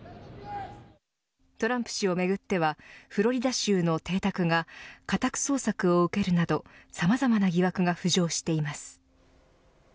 トランプ氏をめぐってはフロリダ州の邸宅が家宅捜索を受けるなどさまざまな疑惑が浮上しています。